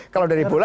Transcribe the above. kalau dari bola